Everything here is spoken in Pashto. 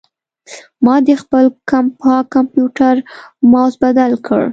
ما د خپل کمپاک کمپیوټر ماؤس بدل کړ.